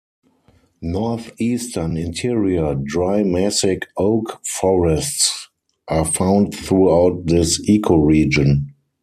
Northeastern interior dry-mesic oak forests are found throughout this ecoregion.